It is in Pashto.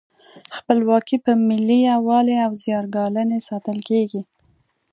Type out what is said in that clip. خپلواکي په ملي یووالي او زیار ګالنې ساتل کیږي.